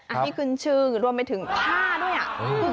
ที่ขึ้นชื่อรวมไปถึงผ้าด้วยอ่ะ